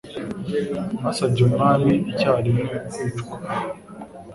Basabye umwami icyarimwe kwicwa.